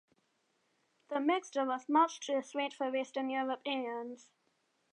The mixture was much too sweet for eastern Europeans.